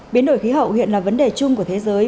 biến đổi khí hậu hiện là vấn đề chung của thế giới